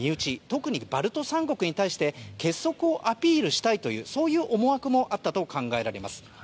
特にバルト三国に対して結束をアピールしたいという思惑もあったと考えられます。